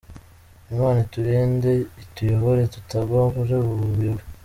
Imana iturinde ituyobore tutagwa muri ubu buyobe.